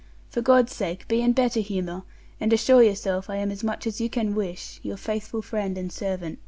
For God's sake be in better humour, and assure yourself I am as much as you can wish, Your faithful friend and servant.